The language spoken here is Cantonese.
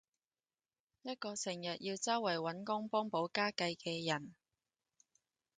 一個成日要周圍搵工幫補家計嘅人